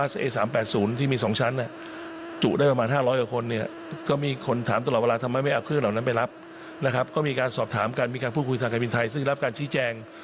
สถานการณ์บินไทยซึ่งรับการชี้แจง